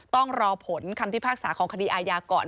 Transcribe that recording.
ต้องรอผลคำพิพากษาของคดีอาญาก่อน